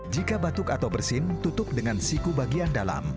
jika batuk atau bersin tutup dengan siku bagian dalam